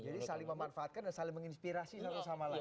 saling memanfaatkan dan saling menginspirasi satu sama lain